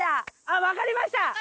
分かりました。